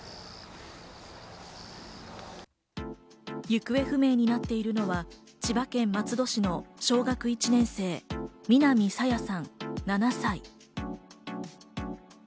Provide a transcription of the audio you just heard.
行方不明になっているのは、千葉県松戸市の小学１年生、南朝芽さん、７歳。